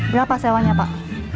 berapa sewanya pak